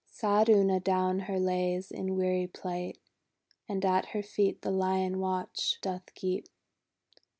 Sad Una down her lays in weary plight, And at her feet the Lion watch doth keep.